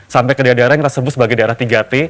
sampai ke daerah daerah yang kita sebut sebagai daerah tiga t